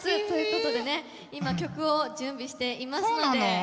ということでね今曲を準備していますので。